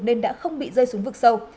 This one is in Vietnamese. nên đã không bị rơi xuống vực sâu